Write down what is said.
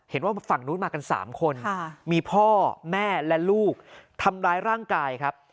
เห็นว่าฝั่งนู้นมากัน๓คนมีพ่อแม่และลูกทำร้ายร่างกายครับ